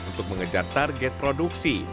untuk mengejar target produksi